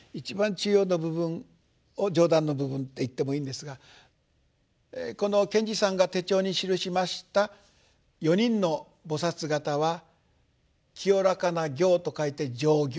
中央の部分上段の部分って言ってもいいんですがこの賢治さんが手帳に記しました４人の菩薩方は浄らかな行と書いて「浄行」。